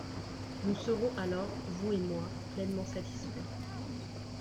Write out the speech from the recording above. Nous serons alors, vous et moi, pleinement satisfaits.